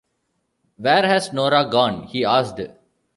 “Where has Nora gone?” he asked.